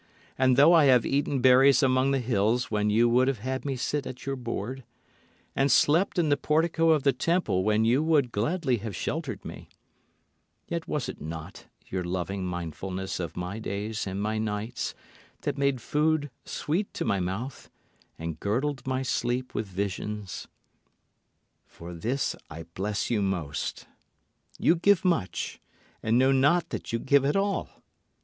And though I have eaten berries among the hills when you would have had me sit at your board, And slept in the portico of the temple when you would gladly have sheltered me, Yet was it not your loving mindfulness of my days and my nights that made food sweet to my mouth and girdled my sleep with visions? For this I bless you most: You give much and know not that you give at all.